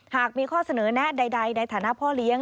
หากมีข้อเสนอแนะใดในฐานะพ่อเลี้ยง